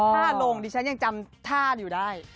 ถ้าลงดิฉันยังจำท่าอยู่ได้